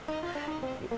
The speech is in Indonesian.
senengnya sama orang lain